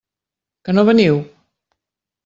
Que no veniu?